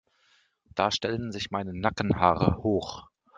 Da stellen sich meine Nackenhaare hoch.